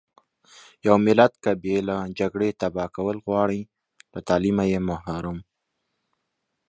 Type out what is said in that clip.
يو ملت که بې له جګړې تبا کول غواړٸ له تعليمه يې محروم .